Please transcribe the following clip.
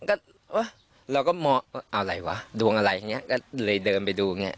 ก็แล้วก็เอาอะไรวะดวงอะไรอย่างเงี้ยก็เลยเดินไปดูอย่างเงี้ย